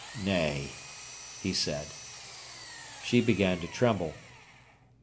"Nay," he said. She began to tremble.